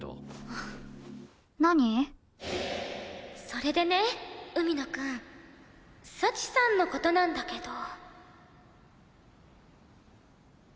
それでね海野くん幸さんの事なんだけど。